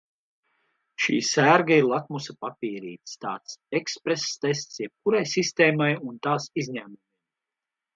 Šī sērga ir lakmusa papīrītis, tāds eksprestests jebkurai sistēmai un tās izņēmumiem.